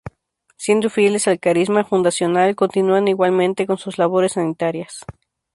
Siendo fieles al carisma fundacional continúan igualmente con sus labores sanitarias.